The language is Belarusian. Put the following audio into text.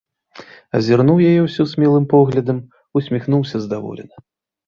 Азірнуў яе ўсю смелым поглядам, усміхнуўся здаволена.